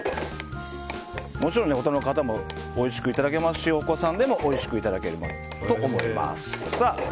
もちろん大人の方もおいしくいただけますしお子さんでもおいしくいただけると思います。